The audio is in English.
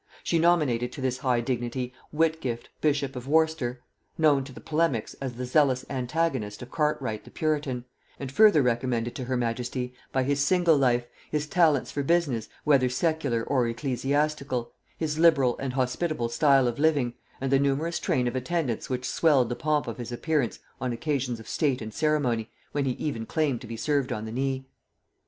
She nominated to this high dignity Whitgift bishop of Worcester, known to polemics as the zealous antagonist of Cartwright the puritan, and further recommended to her majesty by his single life, his talents for business, whether secular or ecclesiastical, his liberal and hospitable style of living, and the numerous train of attendants which swelled the pomp of his appearance on occasions of state and ceremony, when he even claimed to be served on the knee.